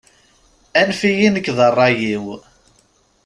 Anef-iyi nekk d rray-iw.